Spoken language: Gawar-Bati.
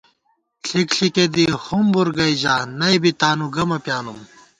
ݪِک ݪِکےدی ہُمبُور گئ ژا ، نئ بی تانُو گمہ پیانُم